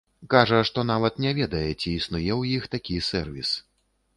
Кажа, што нават не ведае, ці існуе ў іх такі сэрвіс.